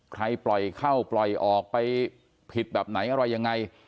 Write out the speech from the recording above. ใครปล่อยเข้าปล่อยออกไปผิดแบบไหนอะไรยังไง